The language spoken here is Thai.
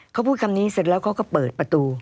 เขาพูดคำนี้เสร็จแล้วเขาก็เปิดประตู